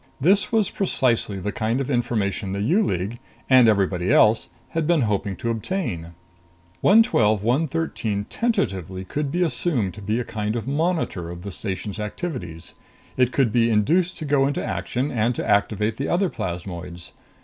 This was precisely the kind of information the U League and everybody else had been hoping to obtain. 112 113 tentatively could be assumed to be a kind of monitor of the station's activities. It could be induced to go into action and to activate the other plasmoids.